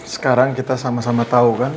sekarang kita sama sama tahu kan